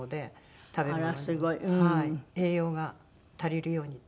栄養が足りるように。